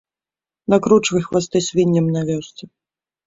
Накручвай хвасты свінням на вёсцы!